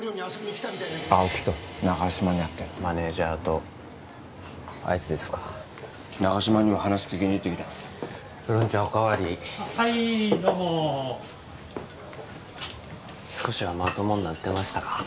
青木と長嶋に会ってるマネージャーとあいつですか長嶋には話聞きに行ってきたウーロン茶おかわりはいどうも少しはまともになってましたか？